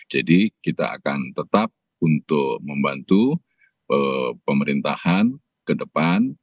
jadi kita akan tetap untuk membantu pemerintahan kedepan